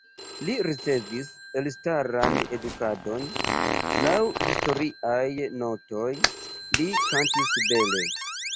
Li ricevis elstaran edukadon, laŭ historiaj notoj, li kantis bele.